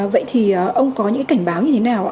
vậy thì ông có những cảnh báo như thế nào ạ